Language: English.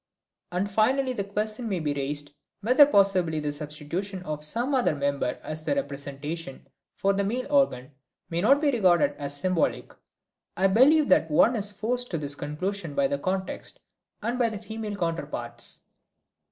And finally the question may be raised whether possibly the substitution of some other member as a representation for the male organ may not be regarded as symbolic. I believe that one is forced to this conclusion by the context and by the female counterparts.